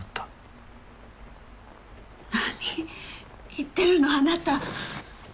何言ってるのあなた。